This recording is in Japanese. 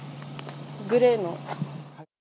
グレーの。